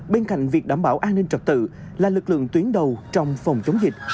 bên cạnh việc đảm bảo an ninh trật tự là lực lượng tuyến đầu trong phòng chống dịch